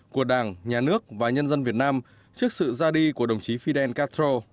của đảng nhà nước và nhân dân việt nam trước sự ra đi của đồng chí fidel castro